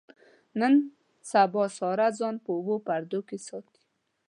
نن سبا ساره ځان په اوو پردو کې ساتي.